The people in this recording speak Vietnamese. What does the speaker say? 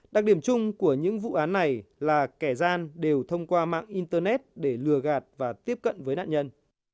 đặc điểm chung của những vụ án này là kẻ gian đều thông qua mạng internet để lừa gạt và tiếp cận với nạn nhân